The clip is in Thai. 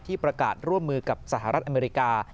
ประกาศร่วมมือกับสหรัฐอเมริกา